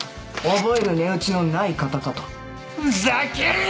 覚える値打ちのない方かとふざけるな！